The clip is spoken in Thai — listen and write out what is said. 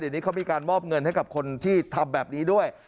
เดี๋ยวนี้เขามีการมอบเงินให้กับคนที่ทำแบบนี้ด้วย